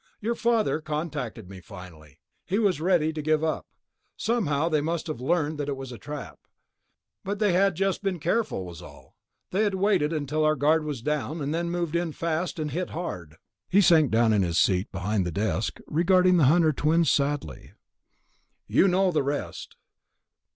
Your father contacted me finally. He was ready to give up. Somehow they must have learned that it was a trap. But they had just been careful, was all. They waited until our guard was down, and then moved in fast and hit hard." He sank down in his seat behind the desk, regarding the Hunter twins sadly. "You know the rest.